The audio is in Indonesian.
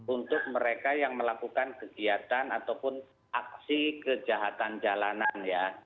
untuk mereka yang melakukan kegiatan ataupun aksi kejahatan jalanan ya